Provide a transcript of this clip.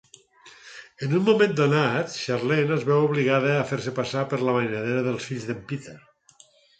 En un moment donat, Charlene es veu obligada a "fer-se passar" per la mainadera dels fills de Peter.